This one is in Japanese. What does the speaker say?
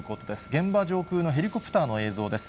現場上空のヘリコプターの映像です。